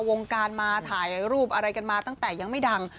วงการมาถ่ายรูปอะไรกันมาตั้งแต่ยังไม่ดัง